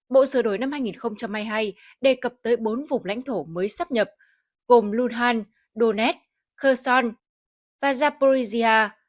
bộ sửa đổi năm hai nghìn hai mươi hai đề cập tới bốn vùng lãnh thổ mới sắp nhập gồm luhansk donetsk kherson và zaporizhia